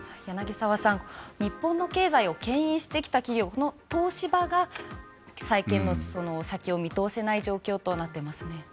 柳澤さん、日本の経済をけん引してきた企業の東芝が再建の先を見通せない状況となっていますね。